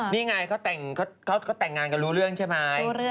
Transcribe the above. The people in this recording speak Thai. นี่ไงเขาแต่งงานกันรู้เรื่องใช่ไหม